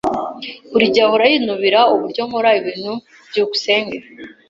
Buri gihe ahora yinubira uburyo nkora ibintu. byukusenge